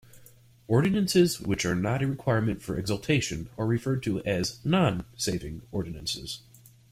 Ordinances which are not a requirement for exaltation are referred to as non-saving ordinances.